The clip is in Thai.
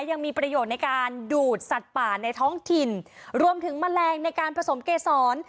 ยังมีประโยชน์ในการดูดสัตว์ป่าในท้องถิ่นรวมถึงแมลงในการผสมเกษร